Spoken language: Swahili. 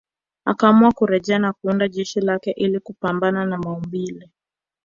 Akaamua kurejea na kuunda jeshi lake ili kupambana na Mwamubambe